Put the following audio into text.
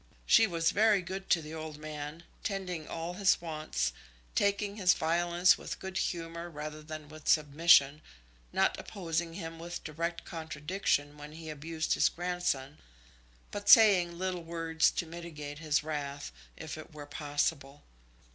She was very good to the old man, tending all his wants, taking his violence with good humour rather than with submission, not opposing him with direct contradiction when he abused his grandson, but saying little words to mitigate his wrath, if it were possible.